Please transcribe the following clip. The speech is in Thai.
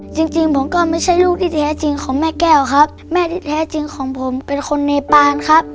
จริงจริงผมก็ไม่ใช่ลูกที่แท้จริงของแม่แก้วครับแม่ที่แท้จริงของผมเป็นคนเนปานครับ